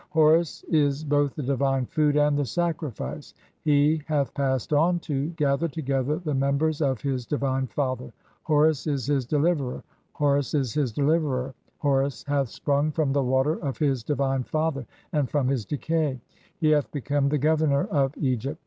Horus is both "the divine food and the sacrifice. [He] hath passed on (?) to "gather together [the members of] his divine father (54) ; Horus "is [his] deliverer, Horus is [his] deliverer. Horus hath sprung "from the water of his divine father and [from his] decay. He "hath become the Governor of Egypt.